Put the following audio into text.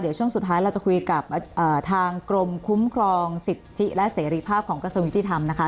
เดี๋ยวช่วงสุดท้ายเราจะคุยกับทางกรมคุ้มครองสิทธิและเสรีภาพของกระทรวงยุติธรรมนะคะ